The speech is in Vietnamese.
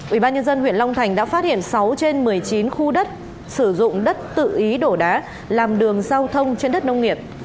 ubnd huyện long thành đã phát hiện sáu trên một mươi chín khu đất sử dụng đất tự ý đổ đá làm đường giao thông trên đất nông nghiệp